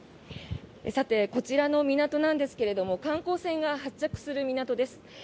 さて、こちらの港なんですが観光船が発着する港です。